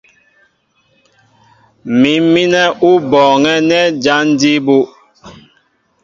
Mǐm mínɛ́ ó bɔɔŋɛ́ nɛ́ jǎn jí bú.